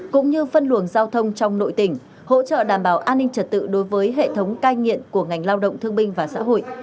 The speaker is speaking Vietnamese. cũng như phân luồng giao thông trong nội tỉnh hỗ trợ đảm bảo an ninh trật tự đối với hệ thống cai nghiện của ngành lao động thương binh và xã hội